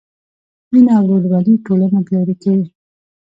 مینه او ورورولي ټولنه پیاوړې کوي.